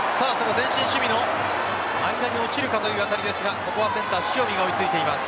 前進守備の間に落ちるかという当たりですがここはセンター・塩見が追いついています。